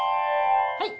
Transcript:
はい。